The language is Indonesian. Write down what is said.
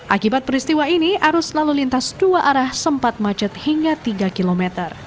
akibat peristiwa ini arus lalu lintas dua arah sempat macet hingga tiga km